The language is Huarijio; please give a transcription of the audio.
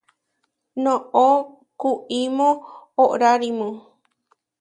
Noʼó kuimó oʼrárimu.